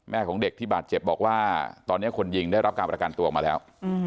ของเด็กที่บาดเจ็บบอกว่าตอนนี้คนยิงได้รับการประกันตัวออกมาแล้ว